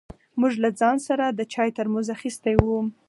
موږ له ځان سره د چای ترموز اخيستی و.